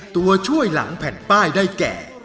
ตัวช่วยหลังแผ่นป้ายได้แก่